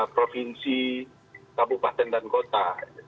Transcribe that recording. provinsi kabupaten dan kota